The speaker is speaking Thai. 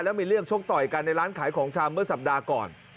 แล้วมีเรื่องชกต่อยกันในร้านขายของชามเมื่อสัปดาห์ก่อน